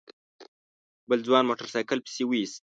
بل ځوان موټر سايکل پسې ويست.